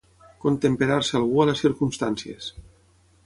Contemperar-se algú a les circumstàncies.